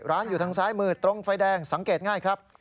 อยู่ทางซ้ายมือตรงไฟแดงสังเกตง่ายครับ